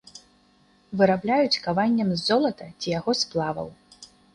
Вырабляюць каваннем з золата ці яго сплаваў.